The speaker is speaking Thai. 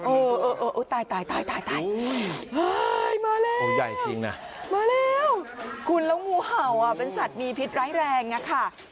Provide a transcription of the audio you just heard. โอ้ตายมาแล้วมาแล้วคุณแล้วงูเห่าเป็นสัตว์มีพิษแร้งค่ะ